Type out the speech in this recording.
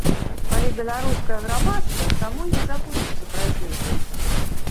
Калі беларускае грамадства само не забудзецца пра зніклых.